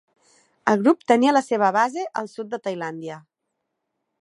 El grup tenia la seva base al sud de Tailàndia.